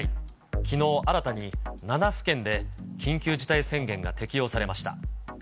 きのう新たに７府県で緊急事態宣言が適用されました。